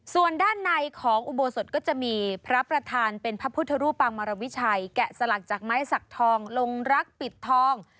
ส่วนด้านในของอุโบสถก็จะมีพระประธานเป็นพระพุทธรูปปางมารวิชัยแกะสลักจากไม้สักทองลงรักปิดทอง